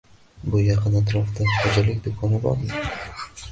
Bu yaqin atrofda xo'jalik do'koni bormi?